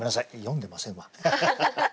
読んでませんわ。